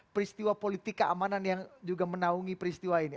peristiwa politik keamanan yang juga menaungi peristiwa ini